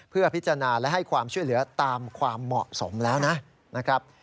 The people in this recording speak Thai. เพื่อพิจารณาและให้ความช่วยเหลือตามความเหมาะสมแล้วนะครับ